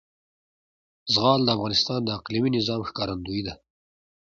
زغال د افغانستان د اقلیمي نظام ښکارندوی ده.